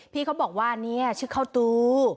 พี่เขาบอกว่าเนี่ยชื่อเข้าตู